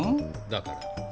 だから？